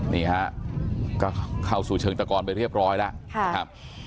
นี่ครับก็เข้าสู่เชิงตะกอนไปเรียบร้อยแล้ว